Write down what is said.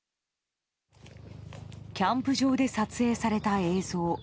キャンプ場で撮影された映像。